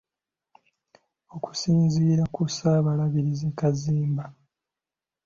Okusinziira ku ssaabalabirizi Kaziimba.